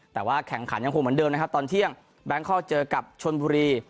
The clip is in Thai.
แต่ว่าแข่งขันยังคงเหมือนเดิมนะครับตอนเที่ยงแบงคอกเจอกับชนบุรี